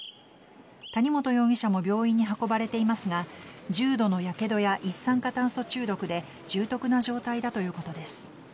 谷本容疑者も病院に運ばれていますが重度のやけどや一酸化炭素中毒で重篤な状態だということです。